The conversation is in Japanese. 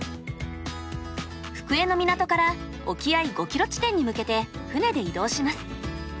福江の港から沖合５キロ地点に向けて船で移動します。